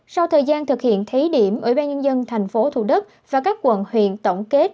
sau thời gian thực hiện thí điểm ủy ban nhân dân tp thủ đức và các quận huyện tổng kết